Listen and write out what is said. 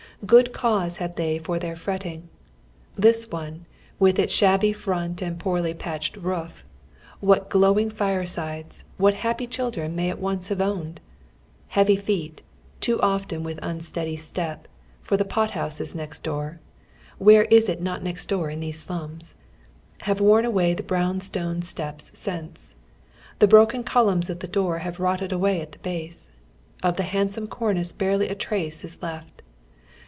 Good cause have they for their fretting. This one, with its shabby front and poorly patched roof, what glowing firesides, what happy children may it once have owned? Heavy feet, too often with unsteady step, for the pot house is next door — where is it not next door in these slums ?■— have worn away the brown stone steps since ; the broken columns at the door iiave rotted away at the base. Of the handsome cornice barely a trace is left.